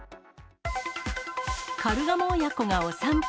カルガモ親子がお散歩。